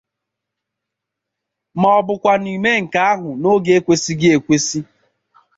maọbụkwanụ ime nke ahụ n'oge ekwesighị ekwesi